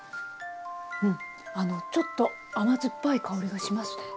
うんあのちょっと甘酸っぱい香りがしますね。